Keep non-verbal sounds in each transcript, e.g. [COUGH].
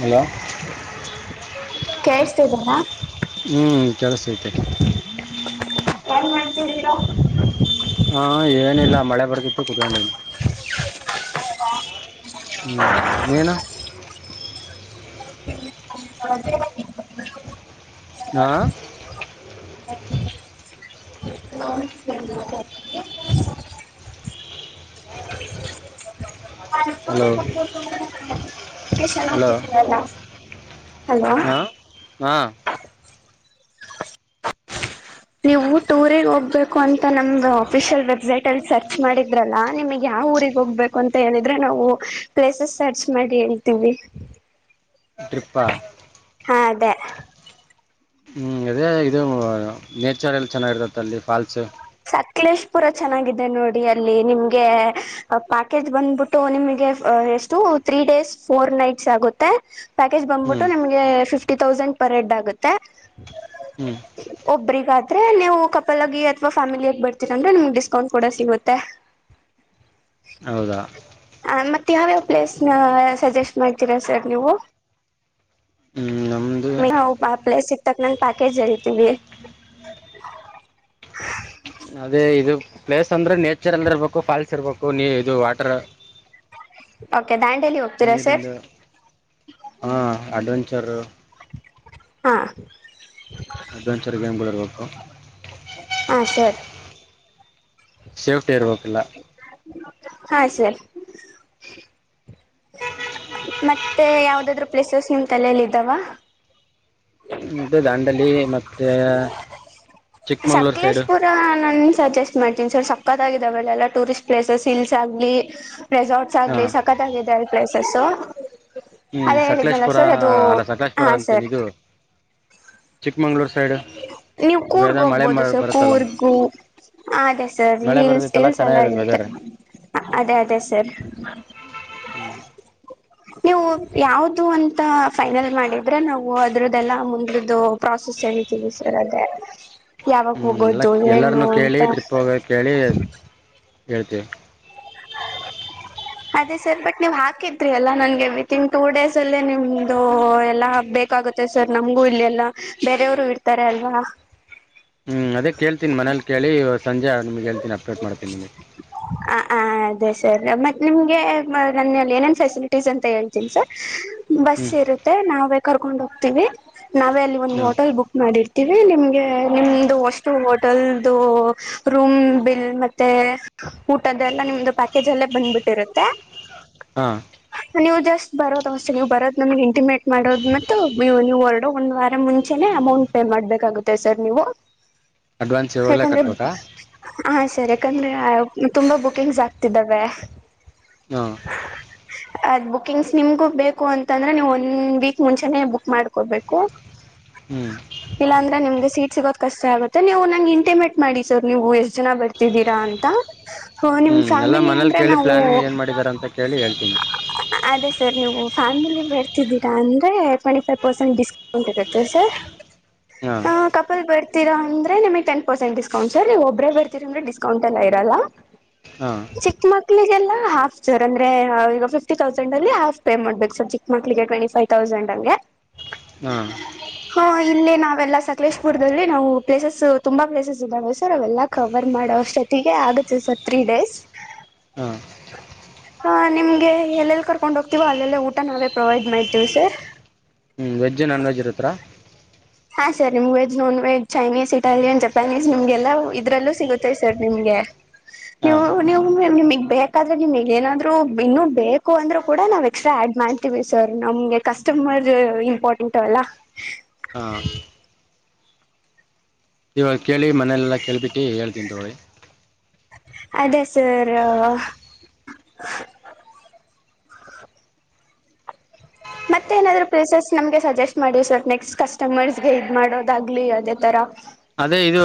Hello...... ಹ್ಞೂ ಕೆಲಸತೆ. ಎನ್ ಮಾಡ್ತಿದ್ದರೋ. ಹಾ ಏನಿಲ್ಲ ಮಳೆ ಬರ್ತಿತ್ತು ಕೂತುಗುಂಡಿದೀವಿ. ಹ ಹ್ಮ್ ನೀನು. ಅದೇ [UNINTELLIGIBLE] ಹಾ ಹಲೋ ಷನ್ ಹಾಕಿದಲ್ಲ [UNINTELLIGIBLE] ಹಾ ಹಾ ನೀವು ಟೂರಿಗೆ ಹೋಗ್ಬೇಕು ಅಂತ ನಮ್ದ ಆಫಿಷಲ್ ವೆಬ್ಸೈಟ್ ಅಲ್ಲಿ ಸರ್ಚ್ ಮಾಡಿದ್ರಲ್ಲಾ ನಿಮಗ್ ಯಾವ ಊರಿಗೆ ಹೋಗ್ಬೇಕು ಅಂತ ಹೇಳಿದ್ರೆ ನಾವು ಪ್ಲೇಸಸ್ ಸರ್ಚ್ ಮಾಡಿ ಹೇಳ್ತೀವಿ ಟ್ರಿಪ್ಪಾ ಹಾ ಅದೇ ಹ್ಮ್ ಅದೇ ಇದು ನೇಚರ್ ಎಲ್ ಚೆನ್ನಾಗಿರ್ತತ್ ಅಲ್ಲಿ ಫಾಲ್ಸ್. ಸಕ್ಲೇಶ್ಪುರ ಚೆನ್ನಾಗಾಗಿದೆ ನೋಡಿ ಅಲ್ಲಿ ನಿಮ್ಗೆ ಪ್ಯಾಕೇಜ್ ಬಂದ್ಬಿಟ್ಟು ನಿಮಗೆ ಎಷ್ಟು ತ್ರೀ ಡೇಸ್ ಫೋರ್ ನೈಟ್ಸ್ ಆಗುತ್ತೆ ಪ್ಯಾಕೇಜ್ ಹ್ಞೂ ಬಂದ್ಬಿಟ್ಟು ನಿಮ್ಗೆ ಫಿಫ್ಟಿ ತೌಸಂಡ್ ಪರ್ ಹೆಡ್ ಆಗುತ್ತೆ. ಹ್ಞೂ ಒಬ್ರಿಗಾದ್ರೆ ನೀವು ಕಪಲಗಿ ಫ್ಯಾಮಿ ಆಗಿ ಬರ್ತೀರಂದ್ರೆ ನಿಮ್ ಡಿಸ್ಕೌಂಟ್ ಟ ಕೂಡ ಸಿಗುತ್ತೆ. ಹೌದಾ. ಹ ಮತ್ತ ಯಾವ್ಯಾವ್ ಪ್ಲೇಸ್ ನ ಸಜೆಸ್ಟ್ ಮಾಡ್ತೀರಾ ಸರ್ ನೀವು. ಹ್ಞೂ ನಮ್ಮದು [UNINTELLIGIBLE] ಪ್ಲೇಸ್ಗ ತಕ್ನಗ್ ಪ್ಯಾಕೇಜ್ ಹೇಳ್ತೀವಿ. ಅದೇ ಇದು ಪ್ಲೇಸ್ ಅಂದ್ರೆ ನೇಚರ್ ಎಲ್ಲ ಇರ್ಬೇಕು ಫಾಲ್ಸ್ ಇರ್ಬೇಕು ನೀ ಇದು ವಾಟರ್. ಓಕೆ ದಾಂಡೇಲಿ ಹೊ ನೀರಿಂದ ಹ ಅಡ್ವೆಂಚರು [INAUDIBLE] ಹಾ ಅಡ್ವೆಂಚರ್ ಗೇಮ್ಗಳು ಇರ್ಬೇಕು ಹಾ ಸರ್ ಸೇಫ್ಟಿ ಇರ್ಬೇಕ ಎಲ್ಲಾ ಹಾ ಸರ್ ಮತ್ತೆ ಯಾವ್ದಾಧ್ರು ಪ್ಲೇಸಸ್ ನಿಮ್ ತಲೆಲ್ಲಿ ಇದಾವ ಇದುದಾಂಡೇಲಿ ಮತ್ತೆ ಸಕ್ಲೇಶಪುರ ನಾನ್ ಸಜೆಸ್ಟ್ ಮಾಡ್ತೀನಿ ಸರ್ ಸಕ್ಕತ್ಗಿದಾವಲ್ಲೆಲ್ಲ ಟೂರಿಸ್ಟ್ ಪ್ಲೇಸಸ್ ಹಿಲ್ಸ್ ಆಗ್ಲಿ ರೆಸಾರ್ಟ್ಸ್ ಹಾ ಆಗ್ಲಿ ಸಕತ್ಗಾಗಿದೆ ಪ್ಲೇಸಸ್ಸು ಹ್ಮ್ ಅದೇ ಹೇಳಿದ್ನಲ್ಲ ಸಕಲೇಶ್ಪುರ ಸರ್ ಅದು ಅಲ್ಲ ಸಕಲೇಶ್ಪುರ ಹಾ ಸರ್. ಚಿಕ್ಕಮಂಗಳೂರ ಸೈಡ್ ನೀವು ಕೂರ್ಗ್ ವೆದರ್ ಮಳೆ ಹೋಗ್ಬೋದು ಸರ್ ಬರುತ್ತಲ್ಲ ಕೂರ್ಗೂ ಹ ಅದೇ ಸರ್ ಮಳೆ ಹಿಲ್ಸ್ ಬರುತ್ತಲ್ಲ ಹಿಲ್ಸ್ ಎಲ್ಲ ಚೆನ್ನಾಗಿರುತ್ತೆ ಇರುತ್ತೆ. ವೆದರ್ ಅದೇ ಅದೇ ಸರ್. [INAUDIBLE] [INAUDIBLE] ನೀವು ಯಾವ್ದ ಅಂತ ಫೈನಲ್ ಮಾಡಿದ್ರೆ ನಾವು ಅದ್ರದ್ದೆಲ್ಲಾ ಮುಂದ್ರದ್ದು ಪ್ರಸ ಸ್ ಹೇಳಿತಿವಿ ಸರ್ ಅದೇ ಯಾವಾಗ ಹ್ಮ್ ಎಲ್ಲ ಹೋಗೋದು ಏನು ಎಲ್ಲರನು ಅಂತ. ಕೇಳಿ ಹೇಳ್ತೇವ್ [INAUDIBLE] ಅದೇ ಸರ್ ಬಟ್ ನೀವ್ ಹಾಕಿದ್ರಿ ಅಲ್ಲಾ ನನ್ಗೆ ವಿತ್ ಇನ್ ಟೂ ಡೇಸ್ ಅಲ್ಲೇ ನಿಮ್ದ ಎಲ್ಲಾ ಹಾಕ್ ಬೇಕಾಗುತ್ತ ಮತ್ತ ಸರ್ ನಮ್ಗೂ ಇಲ್ಲೆಲ್ಲಾ ಬೇರೆಯವ್ರು ಇರ್ತಾರೆ ಅಲ್ವಾ. ಹ್ಮ್ ಅದೇ ಕೇಳ್ತಿನೀ ಮನೇಲಿ ಕೇಳಿ ಇವತ್ತ್ ಸಂಜೆ ನಿಮಗೆೇಳ್ತೀನಿ ಅಪ್ಡೇಟ್ ಮಾಡ್ತೀನಿ ನಿಮಗೆ. ಹ ಆ ಅದೇ ಸರ್ ಮತ್ತೆ ನಿಮ್ಗೆ ನನ್ನಲ್ಲಿ ಏನೇನ್ ಫೆಸಿಲಿಟಿ [UNINTELLIGIBLE] ಅಂತ ಹೇಳ್ತನಿ ಸರ್ ಬಸ್ ಹ್ಮ್ ಇರುತ್ತೆ ನಾವೇ ಕರ್ಕೊಂಡ್ ಹೋಗ್ತೀವಿ ನಾವೇ ಅಲ್ಲಿ ಒಂದ ಹಾ ಹೋಟೆಲ್ ಬುಕ್ ಮಾಡಿರ್ತೀವಿ ನಿಮ್ಗೆ ನಿಮ್ದು ಅಷ್ಟು ಹೋಟೆಲ್ದು ರೂಮ್ ಬಿಲ್ ಮ ತ್ತೆ ಊಟದ್ದ ಎಲ್ಲ ನಿಮ್ದು ಪ್ಯಾಕೇಜ್ ಅಲ್ಲೇ ಬಂದ್ಬಿಟ್ಟಿರುತ್ತೆ. ಹಾ ನೀವು ಜಸ್ಟ್ ಬರೋದ ಅಷ್ಟೇ ನೀವು ಬರೋದ್ ನಮ್ಗೆ ಇಂಟಿಮೇಟ್ ಮಾಡೋದು ಮವು ನೀವು ಹೊರಡ ಒಂದ್ ವಾರ ಮುಂಚೆ ಚೆನನೆ ಅಮೌಂಟ್ ಪೇ ಮಾಡ್ಬೇಕಾಗುತ್ತೆ ಸರ್ ನೀವು. [INAUDIBLE] ಇವಾಗಲೇ ಯಾಕಂದ್ರೆ ಕಟ್ಬೇಕಾ ಹ ಸರಿ. ಯಾಕಂದ್ರೆ ತುಂಬಾ ಬುಕಿಂಗ್ಸ್ ಆಗ್ತಿದ್ದಾವೆ. ಹಾ ಅದ್ ಬುಕಿಂಗ್ಸ್ ನಿಮ್ಗು ಬೇಕು ಅಂತಂದ್ರೆ ನೀವು್ ಒಂದ್ ವೀಕ್ ಮುಂಚೆನೆೇ ಬುಕ್ ಮಾಡ್ಕೊಬೇಕು. ಹ್ಮ್ ಇಲ್ಲಾಂದ್ರೆ ನಿಮ್ಗೆ ಸೀಟ್ ಸಿಗೋ್ ಕಷ್ಟ ಆಗುತ್ತೆ ನೀವು ನಂಗೆ ಇಂಟಿಮೇಟ್ ಮಾಡಿ ಸರ್ ನೀವು ಎಷ್ಟ್ ಜನ ಬರ್ತೀರಿ. ರಾ ಅಂತ ಹ್ಞೂ ನಿಮ್ ಎಲ್ಲ ಫ್ಯಾಮಿಲಿ ಮನೇಲಿ ಅಂದ್ರೆ ಕೇಳಿ ನಾವು ಪ್ಲ್ಯಾನಿಂಗ್ ಏನು ಮಾಡಿದ್ದಾರೆ ಅಂತ ಕೇಳಿ ಹೇಳ್ತೀನಿ ಅದೇ ಸರ್ ನೀವು ಫ್ಯಾಮಿಲಿ ಬರ್ತಿದ್ದೀರ ಅಂದ್ರೆ ಟ್ವೆಂಟಿ ಫೈವ್ ಪರ್ಸೆಂಟ್. ಉಂಟದತ್ತ ಸ [UNINTELLIGIBLE] ಹಾಂ ಹ್ ಕಪಲ್ ಬರ್ತಿರ ಅಂದ್ರೆ ನಿಮಗ್ ಟೆನ್ ಪರ್ಸೆಂಟ್ ಡಿಸ್ಕೌಂಟ್ ಸರ್ ನೀವು ಒಬ್ಬ್ರೇ ಬರ್ತೀರ ಡಿಸ್ಕೌಂಟ್ ಎಲ್ಲ ಇರಲ್ಲ ಹಾಂ ಚ ಮಕ್ಳಿಗೆಲ್ಲ ಹಾಫ್ ಸರ್ ಅಂದ್ರೆ ಈಗ ಫಿಫ್ಟಿ ತೌಸಂಡ್ ಅಲ್ಲಿ ಹಾಫ್ ಪೇ ಮಾಡ್ಬೇಕು ಸರ್ ಚಿ ಮಕ್ಳಿಗೆ ಟ್ವೆಂಟಿ ಫೈವ್ ತೌಸಂಡ್ ಅಂಗೆ ಹಾ ಹಾ ಇಲ್ಲಿ ನಾವೆಲ್ಲಾ ಸಕಲೇಶ್ಪುರದಲ್ಲಿ ನಾವು ಪ್ಲೇಸಸ್ ತುಂಬಾ ಪ್ಲೇಸಸ್ ಇದ್ದವೆ ಸರ್ ಅವೆಲ್ಲ ಕವರ್ ಮಾಡೋಷ್ಟೊತ್ತಗೆ ಆಗುತ್ತೆ ಸರ್ ತ್ರೀ ಡೇಸ್. [INAUDIBLE] ಹಾ ನಿಮ್ಗೆ ಎಲ್ಲೆಲ್ಲಿ ಕರ್ಕೊಂಡ್ ಹೋಗ್ತೀವ ಅಲ್ಲೆಲ್ಲ ಊಟ ನಾವೇ ಪ್ರೊವೈಡ್ ಮಾಡ್ತೀವಿ ಸರ್. ಹ್ಮ ವಜ್ಜಾನ್ಜ್ ನಾನ್ವೆಜ್ ಇರುತ್ರ. ಹಾ ಸರ್ ನಿಮ್ veg non veg Chinese Italian Japanese ನಿಮ್ಗೆಲ್ಲ ಇದ್ರಲ್ಲೂ ಸಿಗುತ್ತೆ ಸರ್ ನಿಮ್ಗೆ. ನೀವು ಹಾಂ ನೀವು ನಿಮಗ್ ಬೇಕಾದ್ರೆ ನಿಮಗ್ ಏನಾದ್ರು ಇನ್ನುೂ ಬೇಕು ಅಂದ್ರೂ ಕೂಡ ನಾವ್ ಎಕ್ಸ್ಟ್ರಾ ಆಡ್ ಮಾಡ್ ಸರ್ ನಮ್ಗೆ ಕಸ್ಟಮರ್ ಇಂಪಾರ್ಟೆಂಟ್ ಅಲ್ಲ. ಹಾಂ [INAUDIBLE] ಇವಾಗ ಕೇಳಿ ಮನೆಲೆಲ್ಲ ಕೇಳ್ಬಿಟ್ಟಿ ಹೇಳ್ತೀನಿ ತೋಳಿ. ಅದೇ ಸರ್ ಮತ್ತ ಏನಾದ್ರು ಪ್ಲೇಸಸ್ ನಮ್ಗೆ ಸಜೆಸ್ಟ್ ಮಾಡಿ ಸರ್ ನೆಕ್ಸ್ಟ್ ಕಸ್ಟಮರ್ಸ್ಗೆ ಇದ್ ಮಾಡೋದಾಗ್ಲಿ ಅದೇ ತರ. ಅದೇ ಇದು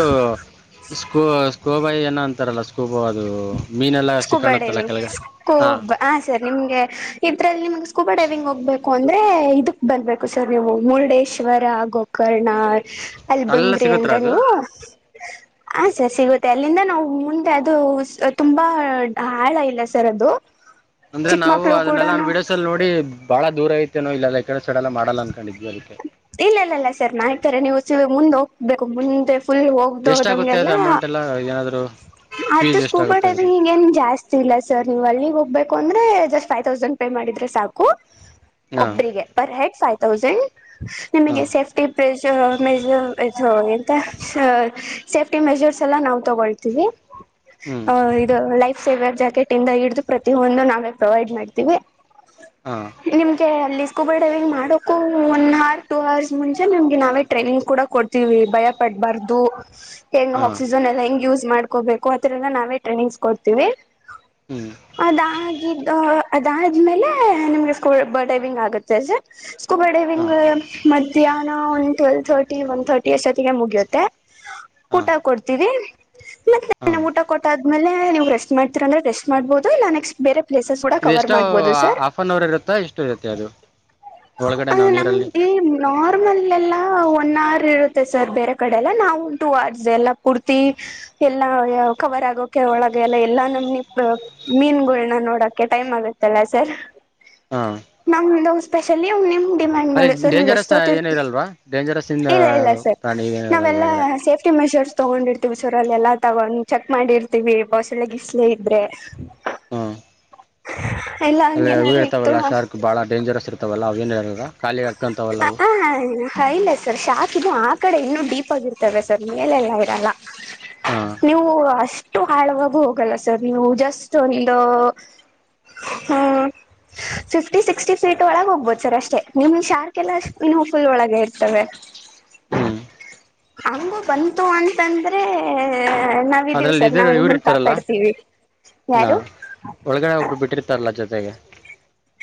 ಸ್ಕೋ ಸ್ಕೋಬಾಯಿ ಏನ ಅಂತಾರಲ್ಲ. ಸೊಬ್ ಅದು ಮೀನೆಲ್ಲ ಸ್ಕೂಬಾ ಸಿಕ್ಕಾಣುತ್ತಲ್ಲ ಡೈವಿಂಗ್ ಕೆಳಗಡೆ ಹಾ ಸ್ಕೂಬ್ ಹಾ ಸರ್ ನಿಮ್ಗೆ ಇದರಲ್ಲಿ ನಿಮ್ಗೆ ಸ್ಕೂಬಾ ಡ್ರವಿಂಗ್ ಹೋಗ್ಬೇಕು ಅಂದ್ರೆ ಇದಕ್ ಬಂದಬೇಕು. ಸರ್ ನೀವು ಮುರುಡೇಶ್ವರ ಗೋಕರ್ಣ ಅಲ್ಲಿ ಅಲ್ಲ ಬಂದ್ರಿ ಸಿಗುತ್ತಾ ಅಂದ್ರ ಅದು ನೀವು ಆ ಸೆ ಸಿಗುತ್ತೆ ಅಲ್ಲಿಂದ ನಾವು ಮುಂದೆ ಅದು ತುಂಬಾ ಹಾಳ ಇಲ್ಲ ಸರ್ ಅದು. ಅಂದ್ರೆ ಚಿಕ್ಕ ನಾವು ಮಕ್ಳು ಅದನ್ನೆಲ್ಲಾ ನಾ ಕೂಡನು ವಿಡಿಯೋಸ್ಲ್ಲಿ ನೋಡಿ ಭಾಳ ದೂರ ಐತೇನ ಇಲ್ಲ ಕಡೆ ಸಡೆ ಎಲ್ಲ ಮಾಡಲ್ಲ ಅನ್ಕೊಂಡಿದ್ವಿ ಅದಕ್ಕೆ. ಇಲ್ಲ ಇ ಇಲ್ಲ ಸರ್ ನತಾರೆ ನೀವು ಮುಂದೆ ಹೋಗ್ಬೇಕು ಮುಂದೆ ಫುಲ್ ಹೋಗ ಹ ಎಷ್ಟಾಗುತ್ತೆ ಹೋದಂಗೆಲ್ಲ ಅದು ಅಮೌಂಟ್ ಎಲ್ಲ ಏನಾದ್ರು ಆ ಫೀಸ್ ಸ್ಕೂಬಾ ಎಷ್ಟಾಗುತ್ತೆ ಅದ್ರ ಡ್ರೈವಿಂಗ್ ಹಗ ಎನ್ ಜಾಸ್ತಿ ಇಲ್ಲ ಸರ್ ನೀವ್ ಅಲ್ಲಿಗ್ ಹೋಗ್ಬೇಕು ಅಂದ್ರೆ ಜಸ್ಟ್ ಫೈವ್ ತೌಸಂಡ್ ಪೇ ಮಾಡಿದ್ರೆ ಸಾಕು. ಹಾಂ ಒಬರಿಗೆ ಪರ್ ಹೆಡ್ ಫೈವ್ ತೌಸಂಡ್ ನಿಮಗೆ. ಹಾಂ ಸೇಫ್ಟಿ ಮೆಜ್ ಮೆಜ್ ಎ ತೂ ಎಂತ ಸೇಫ್ಟಿ ಮೆಜರ್ಸ್ ಎಲ್ಲಾ ನಾವವು ತಗೊಳ್ತೀವಿ. ಹ್ಞೂ ಆ ಇದು ಲ ಸೇವೆರ್ ಜಾಕೆಟ್ ಇಂದ ಹಿಡಿದು ಪ್ರತಿ ಒಂದು ನಾವೇ ಪ್ರೊವೈಡ್ ಮಾಡ್ತೀವಿ ಹಾ. ನಿಮ್ಗೆ ಅಲ್ಲಿ ಸ್ಕೂಬರ್ ಡ್ರೈವಿಂಗ್ ಮಾಡೋಕು ಒನ್ಆರ್ ಟೂ ಆರ್ಸ್ ಮುಂಚೆ ನಿಮ್ಗೆ ನಾವೇ ಟ್ರೈನಿಂಗ್ ಕೂಡ ಕೊಡ್ತೀವಿ ಭಯ ಪಡ್ಬಾರ್ದೂ ಹೆಂಗ್ ಹಾಂ ಆಕ್ಸಿಜನ್ ಎಲ್ಲ ಹೆಂಗ್ ಯೂಸ್ ಮಾಡ್ಕೋಬೇಕು ಆತರ ಎಲ್ಲ ನಾವೆ ಟ್ರೈನಿಂಗ್ಸ್ ಕೊಡ್ತೀವಿ ಹ್ಞೂ ಅದಾಗಿದ್ದೊ ಅದಾದ್ಮೇಲೆ ನಿಮ್ಗೆ ಸ್ಕೋಬರ್ ಡ್ರೈವಿಂಗ್ ಆಗುತ್ತೆ [UNINTELLIGIBLE] ಸ್ಕೂಬಾ ಡ್ರೈವಿಂಗ್ ಹಾಂ ಮಧ್ಯಾಹ್ನಾ ಒಂದ್ ಟ್ವೆಲ್ವ್ ಥರ್ಟಿ ಒನ್ ಥರ್ಟಿ ಅಷ್ಟೊತ್ತಿಗೆ ಮುಗಿಯುತ್ತೆ ಹಾಂ ಊಟ ಕೊಡ್ತೀವಿ ಮಧ್ಯಾಹ್ನ ಹಾಂ ಊಟ ಕೊಟ್ಟ್ ಆದ್ಮೇಲೆ ನೀವು ರೆಸ್ಟ್ ಮಾಡ್ತಿರಂದ್ರೆ ರೆಸ್ಟ್ ಮಾಡ್ಬಹುದು ಇಲ್ಲ ನೆಕ್ಸ್ಟ್ ಬೇರೆ ಪ್ಲೇಸಸ್ ಕೂಡಾ ಕವರ್ ಮಾಡ್ಬೊದು ಸರ್ ಆಫ್ಒನ್ ಅವರ್ ಇರುತ್ತಾ ಎಷ್ಟು ಇರುತ್ತೆ ಅದು ಒಳಗಡೆ ನಾವು ನೀರಲ್ಲಿ ನಮ್ಗೆ ನಾರ್ಮಲ್ ಎಲ್ಲ ಒನ್ಆರ್ ಇರುತ್ತೆ ಸರ್ ಬೇರೆ ಕಡೆ ಎಲ್ಲ ನಾವು ಟೂ ಆರ್ಸ್ ಎಲ್ಲ ಪೂರ್ತಿ ಎಲ್ಲಾ ಕವರ್ ಆಗೋಕೆ ಒಳಗೆ ಎಲ್ಲ ಎಲ್ಲಾ ನಮನಿ ಮೀನ್ಗುಳನ ನೋಡಕ್ಕೆ ಟೈಮ್ ಆಗತ್ತಲ್ಲ ಸರ್. ಹಾಂ [UNINTELLIGIBLE] ನಮ್ದು ಸ್ಪೆಷಲಿ ನಿಮ್ದು ಡಿಮ್ಯಾಂಡ್ ಅಲ್ಲಿ ಮೇಲೆ ಸರ್ ನೀವು ಡೇಂಜರಸ್ ಎಷ್ಟೊತ್ತ ಏನ ಇರ್ತಿರ ಇರಲ್ವಾ ಡೇಂಜರಸ್ ಇಂದ [INAUDIBLE] ಇಲ್ಲ ಇಲ್ಲ ಸರ್ ಪ್ರಾಣಿ ಏನಿರಲ್ಲ ನಾವೆಲ್ಲ ಒಳಗಡೆ ಸೇಫ್ಟಿ ಮೆಜರ್ಸ್ ತಗೊಂಡಿರ್ತೀವಿ ಸರ್ ಅಲ್ಲಿ ಎಲ್ಲಾ ತಗೊಂಡ್ ಚೆಕ್ ಮಾಡಿರ್ತಿವಿ ಮೊಸಳೆಗಿಸಲೇ ಇದ್ರೆ ಹಾ. ಇಲ್ಲ ಅಲ್ಲಿ ಇವು ಹಂಗೇನಾರ ಇತ್ತು ಇರ್ತಾವಲ್ಲ ಶಾರ್ಕ್ ಬಾಳ ಡೇಂಜರಸ್ ಇರ್ತಾವಲ್ಲ ಅವ ಏನ್ ಇರದ ಕಾಲಿಗೆ ಹತ್ಕೊಂತಾವಲ್ಲ ಅವು [UNINTELLIGIBLE] ಹ ಹಾಯಿಲ್ಲ ಸರ್ ಸರ್ ಶಾಕಿದೆ ಆ ಕಡೆ ಇನ್ನೂ ಡೀಪ್ ಆಗಿರ್ತವೆ ಸರ್ ಮೇಲೆಲ್ಲ ಇರಲ್ಲ [UNINTELLIGIBLE] ಹಾ. ನೀವು ಅಷ್ಟು ಆಳವಾಗೂ ಹೋಗಲ್ಲ ಸರ್ ನೀವು ಜಸ್ಟ್ ಒಂದೂ [UNINTELLIGIBLE] ಹ್ಮ ಫಿಫ್ಟಿ ಸಿಕ್ಸ್ಟಿ ಫೀಟ್ ಒಳಗ ಹೋಗ್ [UNINTELLIGIBLE] ಸರ್ ಅಷ್ಟೇ ನಿಮ್ ಶಾರ್ಕ್ ಎಲ್ಲ ಇನ್ನು ಫುಲ್ ಒಳಗೆ ಇರ್ತವೆ ಹ್ಮ್. ಹಂಗು ಬಂತು ಅಂತಂದ್ರೇ ನಾವ್ದಿವ್ ಅದ್ರಲ್ಲಿ ಸರ್ ಇದ ನಾವು ಇವ್ರು ನಿಮ್ಮನ್ನು ಇರ್ತಾರಲ್ಲ ಕಾಪಾಡ್ತೀವಿ ಹಾ ಯಾರು ಒಳಗಡೆ ಒಬ್ರು ಬಿಟ್ಟಿರ್ತಾರಲ್ಲ ಜೊತೆಗೆ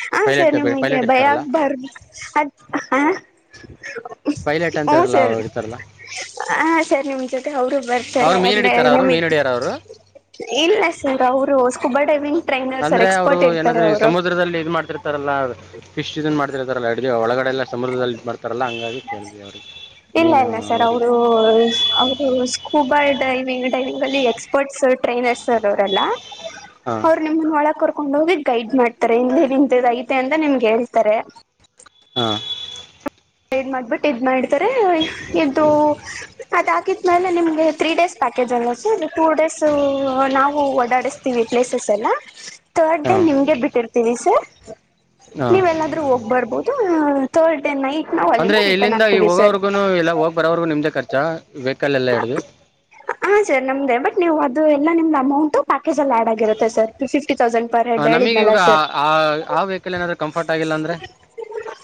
ಹಾ ಸರ್ ಪೈಲಟ್ ನಿಮಗೆ ಪೈಲಟ್ ಭಯ ಇರ್ತಾರಲ್ಲ ಆಗ್ಬಾರ್ದು ಅದ [UNINTELLIGIBLE] ಪೈಲೆಟ್ ಅಂತಿರಲ್ಲ ಅವು ಇಡ್ತಾರಲ್ಲಾ ಹಾ ಸರ್ ನಿಮ್ ಜೊತೆ ಅವರು ಬರ್ತಾರೆ ಅವ್ರು ಮೀನ್ ಅಂದ್ರೆ ಹಿಡಿತಾರ ಅವರು ಮೀನ್ ನಿಮಿಗೆ ಹಿಡಿಯಾರ ಅವರು ಇಲ್ಲ ಸರ್ ಅವರು ಸ್ಕೂಬರ್ ಡ್ರೈವಿಂಗ್ ಅಂದ್ರೆ ಅವ್ರು ಏನಾದ್ರು ಈ ಸಮುದ್ರದಲ್ಲಿ ಇದ ಮಾಡ್ತಿರ್ತಾರಲ್ಲ ಫಿಶ್ ಇದನ್ ಮಾಡ್ತಿರ್ತಾರಲ್ಲ ಅಡಗೆ ಒಳಗಡೆ ಎಲ್ಲ ಸಮುದ್ರದಲ್ಲಿ ಮಾಡ್ತಾರೆ ಈ ಥರಲ್ಲ ಹಂಗಾಗಿ ಕೇಳಿದ್ವಿ ಅವ್ರಿಗೆ ಇಲ್ಲ ಮೀನು ಇಲ್ಲ ಸರ್ ಅವ್ರಿಗೆ ಅವರು ಅವರು ಸ್ಕೂಬಾ ಡ್ರೈವಿಂಗ್ ಡೈವಿಂಗ್ ಅಲ್ಲಿ ಎಕ್ಸ್ಪರ್ಟ್ಸ್ ಟ್ರೈನರ್ಸ್ರ್ ಸರ್ ಅವರೆಲ್ಲ [INAUDIBLE] ಹಾ. ನಿಮ್ಮನ್ನ ಒಳಗ್ ಕರ್ಕೊಂಡ್ ಹೋಗಿ ಗೈಡ್ ಮಾಡ್ತಾರೆ ಇಲ್ಲ ಇಂತದ ಐತೆ ಅಂತ ನಿಮ್ಗೆ ಹೇಳ್ತಾರೆ. ಹಾ. ಟ ಮಾಡ್ಬಿಟ್ಟು ಇದ ಮಾಡತಾರೆ ಇ ಅದ ಹಾಕಿದ್ಮೇಲೆ ನಿಮ್ಗೆ ತ್ರೀ ಡೇಸ್ ಪ್ಯಾಕೇಜ್ ಅಲ್ಲಾ ಸರ್ ಟೂ ಡೇಸ್ ನಾವು ಓಡಾಡಸ್ತೀವಿ ಪ್ಲೇಸಸ್ನ್ನಾ ಥರ್ಡ್ ಹಾ ಡೇ ನಿಮ್ಗೆ ಬಿಟ್ಟಿರ್ತೀನಿ ಸರ್ ಹಾ ನೀವು ಎಲ್ಲಾದ್ರೂ ಹೋಗ್ಬರ್ಬೊದು ಹು ಥರ್ಡೆ ನೈಟ್ ನಾವು ಅಂದ್ರೆ ಅಲ್ಲಿಂದ ರಿಟರ್ನ್ ಇಲ್ಲಿಂದ ಈ ಆಗ್ತೀವಿ ಸರ್ ಹೋಗೋವ್ರಗುನೂ ಇಲ್ಲ ಹೋಗ್ ಬರೋವರ್ಗು ನಿಮ್ದೇ ಖರ್ಚ ವೆಹಕಲ್ ಎಲ್ಲಾ ಹಿಡ್ದು. ಹಾ ಸರ್ ನಮ್ದೇ ಬಟ್ ನೀವು ಅದುದೆಲ್ಲ ನಿಮ್ದ್ ಅಮೌಂಟ್ ಪ್ಯಾಕೇಜ ಅಲ್ಲಿ ಆಡ್ ಆಗೀರುತ್ತೆ ಸರ್ ಟ ಫ್ಟಿ ತೌಸಂಡ್. ಪರ್ ಹೆಡ್ ನಮಗ ಹೇಳಿದ್ನಲ್ಲ ಈವಗ ಸರ್ ಆ ಆ ವೆಹಕಲ್ ಏನಾದ್ರ್ೂ ಕಂಫರ್ಟ್ ಆಗಿಲ್ಲ ಅಂದ್ರೆ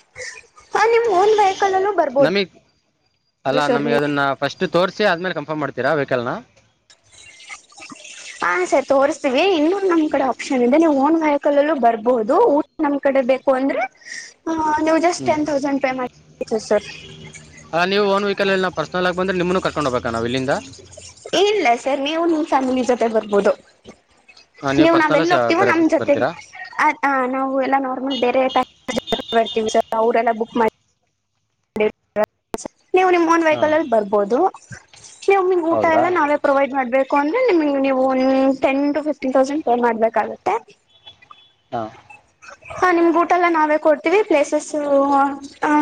[UNINTELLIGIBLE] ಹ ನಿಮ್ ಓಂನ್ ವೆಹಿಕಲ್ ಅಲು ಬರ್ಬೋದು ಅಲ್ಲ ಸರ್ ನೀವು ನಮ್ಗೆ ಅದನ್ನ ಫಸ್ಟ್ ತೋರ್ಸಿ ಆದ್ಮೇಲೆ ಕನ್ಫರ್ಮ್ತೀರಾ ವೆಹಿಕಲ್ನನಾ. ಹಾ ಸರಿ ತೋರ್ಸ್ತೀವಿ ಇನ್ನೊಂದು ನಮ್ ಕಡೆ ಆಪ್ಷನ್ ಇದೆ ನೀವು್ ಓನ್ ವಯಕಲ್ಲಲ್ಲೂ ಬರ್ಬಹುದು ಊ ನಮ್ಮ ಕಡೆ ಬೇಕು ಅಂದ್ರೆ ನೀವು just hmm ten thousand pay ಮಾಡತವಿ ಸರ್ ಹ ನೀವು ಒನ್ ವಹಿಕಲ್ ನ ಪರ್ಸನಲ್ ಆಗ ಬಂದ್ರೆ ನಿಮೂನು ಕರ್ಕೊಂಡ ಹೋಗಬೇಕಕ್ ನವು ಇಲ್ಲಿಂದ ಇಲ್ಲ ಸರ್ ನೀವು ನಿಮ್ ಫ್ಯಾಮಿಲಿ ಜೊತೆ ಬರ್ಬೋದು [UNINTELLIGIBLE] ನೀವು ನೀವು್ ಪರ್ಸನಲ್ ನಾವ್ೆಲ್ಲ ಹೋಗ್ತಿೀವೋ ಬರ ನಮ್ ಜೊತೆಗೆ ಬರ್ತೀರಾ ಅದ ನಾವು ಎಲ್ಲಾ ನಾರ್ಮಲ್ ಬೇರೆ ಬರ್ತವಿ ಸರ್ ಅವ್ರಲ್ಲಾ ಬುಕ್ ಮಾಡ [UNINTELLIGIBLE] ನೀವು ನಿಮಾ ಒನ್ ಹಾ ವೆಹಕಲ್ ಅಲ್ಲಿ ಬರ್ಬೋದು ನೀವು ನಿಮ್ ಊಟ ಹೌದ್ರಾ ಎಲ್ಲ ನಾವೇ ಪ್ರೊವೈಡ್ ಮಾಡ್ಬೇಕು ಅಂದ್ರೆ ನಿಮಗೆ ನೀವು ನಿಮ್ಫ್ರೆಂಡ್ ಒ ten to fifteen thousand pay ಮಾಡ್ಬೇಕಾಗುತ್ತೆ [UNINTELLIGIBLE] ಹಾ ಹ ನಿಮ್ ಊಟ ಎಲ್ಲ ನಾವೇ ಕೊಡ್ತೀವಿ ಪ್ಲೇಸಸ್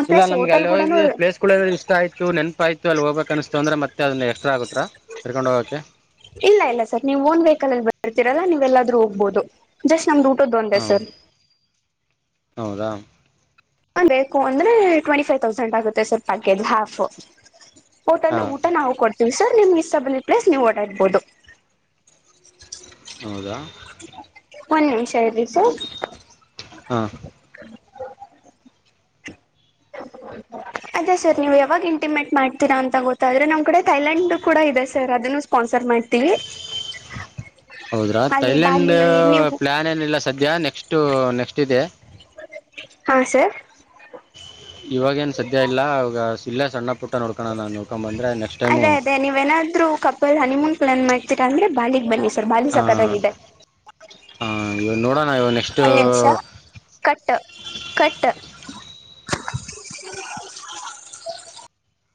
ಪ್ಲೇಸ್ ಓ ಎಲ್ಲಿ ಹೋದಿ ಪ್ಲೆಸಗಳು ಇಷ್ಟ ಆಯ್ತು ನೆನಪಾಯ್ತು ಅಲ್ಲಿ ಹೋಗಬೇಕ ಅನಿಸ್ತು ಅಂದ್ರೆ ಮತ್ತದನ್ನು ಎಕ್ಸ್ಟ್ರ ಆಗುತ್ತಾ. ಕರಕೊಂಡು ಹೋಗಕ್ಕೆ. ಇಲ್ಲ ಇಲ್ಲ ಸರ್ ನೀವು ಒನ್ ವೈಹಿಕಲ್ ಅಲ್ಲಿ ಬರ್ತೀರಲ್ಲ ನೀವು ಎಲ್ಲಾದ್ರೂ ಹೋಗ್ಬಹುದು ಜಸ್ಟ್ ನಮ್ದ ಊಟದ ಒಂದೇ ಹಾ ಸರ್. ಹೌದಾ. ಹಾ ಬೇಕು ಅಂದ್ರೆ ಟ್ವೆಂಟಿ ಫೈವ್ ತೌಸಂಡ್ ಆಗುತ್ತೆ ಸರ್ ಪ್ಯಾಕೇಜ್ ಹಾಫ್. ಹೋಟೆಲ್ ಹಾ ಊಟ ನಾವು ಕೊಡ್ತವಿ ಸರ್ ನಿಮಗೆ ಇಷ್ಟ ಬಂದಿದ ಪ್ಲೇಸ್ ನೀವು ಓಡಾಡ್ಬಹದು. ಹೌದಾ. [UNINTELLIGIBLE] ಒಂದ ನಿಮಿಷ ಇರಿ ಸರ್. ಹಾಂ [INAUDIBLE] ಅದೇ ಸರ್ ನೀವ್ ಯಾವಾಗ ಇಂಟಿಮೇಟ್ ಮಾಡ್ತೀರಾ ಅಂತ ಗೊತ್ತಾದ್ರೆ ನಮ್ ಕಡೆ ಥೈಲ್ಯಾಂಡ್ ಕೂಡ ಇದೆ ಸರ್ ಅದನ್ನು ಸ್ಪಾಸರ್ಮೈಟ್ ಹೌದ್ರಾ ಅಲ್ಲಿ ಥೈಲ್ಯಂಡ್ ಬಾಲಿ ನೀವು ಪ್ಲಾನ್ ಏನಿಲ್ಲ ಸದ್ಯ ನೆಕ್ಸ್ಟು ನೆಕ್ಸ್ಟ್ ಇದೆ. [UNINTELLIGIBLE] ಹಾ ಸರ್. ಇವಾಗ ಏನ ಸದ್ಯ ಇಲ್ಲ ಅವಾಗ ಇಲ್ಲೆ ಸಣ್ಣ ಪುಟ್ಟ ನೋಡ್ಕೋಣ ಅಂತ. ಅದೇ ಅದೇ ನೀವು ಏನಾದರೂ ಕಪಲ ಹನಿಮೂನ್ ಪ್ಲಾನ್ ಮಾಡ್ತೀರಾ ಅಂದ್ರೆ ಬಾಲಿಂಗ್ ಬನ್ನಿ. ಸರ್ ಬಾರಿ ಸಕತ್ತಾಗಿದೆ [UNINTELLIGIBLE] ಇವಾಗ ನೋಡೋಣ ಇವಾಗ ನೆಕ್ಸ್ಟ್ ಒಂದ ನಿಮಿಷ ಕಟ್ಟ ಕಟ್ಟ.